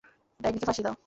ডাইনি কে ফাঁসি দাও।